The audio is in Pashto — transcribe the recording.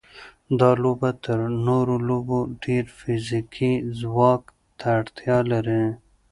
دا لوبه تر نورو لوبو ډېر فزیکي ځواک ته اړتیا لري.